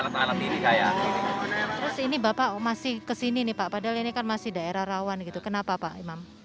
terus ini bapak masih kesini nih pak padahal ini kan masih daerah rawan gitu kenapa pak imam